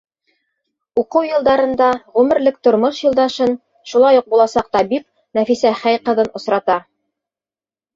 Уҡыу йылдарында ғүмерлек тормош юлдашын — шулай уҡ буласаҡ табип Нәфисә Хәй ҡыҙын — осрата.